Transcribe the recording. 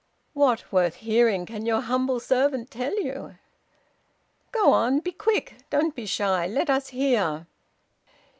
"What worth hearing can your humble servant tell you?" "Go on; be quick; don't be shy; let us hear!"